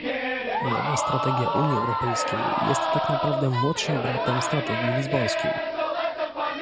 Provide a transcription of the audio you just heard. Nowa strategia Unii Europejskiej jest tak naprawdę młodszym bratem strategii lizbońskiej